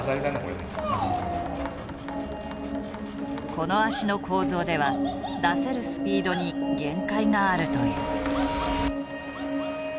この足の構造では出せるスピードに限界があるという。